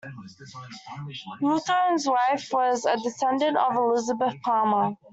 Hawthorne's wife was a descendant of Elizabeth Palmer.